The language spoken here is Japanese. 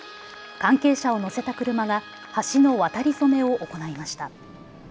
関係者を乗せた車が橋の渡り初めを行いました。